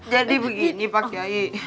jadi begini pak kiai